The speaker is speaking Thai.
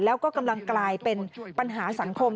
แล้วก็กำลังกลายเป็นปัญหาสังคม